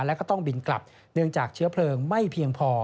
แล้วก็ต้องบินกลับเนื่องจากเชื้อเพลิงไม่เพียงพอ